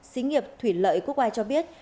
xí nghiệp thủy lợi quốc ai cho biết